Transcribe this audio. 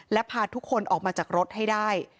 และพาทุกคนออกมาจากรถให้ได้